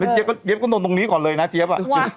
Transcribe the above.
เจ๊บก็โดนตรงนี้ก่อนเลยนะเจ๊บ